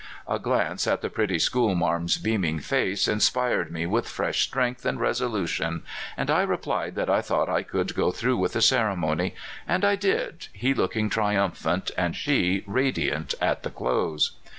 A glance at the pretty schoolmarm's beaming face inspired me with fresh strength and resolu tion, and I replied that I thought I could go through with the ceremony; and I did, he looking triumphant and she radiant at the close.